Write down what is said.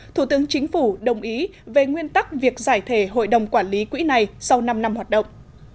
thủ tướng chính phủ đồng ý về nguyên tắc việc giải thể hội đồng quản lý quỹ này sau năm năm hoạt động